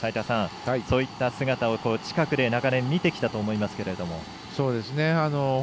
そういった姿を近くで長年、見てきたと思いますけど。